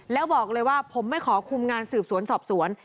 แล้วบอกเลยว่าผมไม่ขอคุมงานสืบสวนสอบสวน